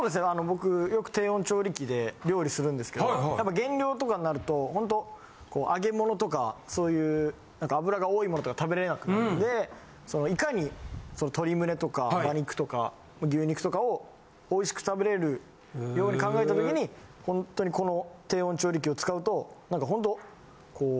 僕よく低温調理器で料理するんですけどやっぱ減量とかになるとほんと揚げものとかそういう脂が多いものとか食べれなくなるんでそのいかに鶏むねとか馬肉とか牛肉とかを美味しく食べれるように考えた時にほんとにこの低温調理器を使うと何かほんとこう。